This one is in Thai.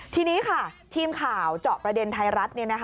ทีนี้ค่ะทีมข่าวเจาะประเด็นไทยรัฐ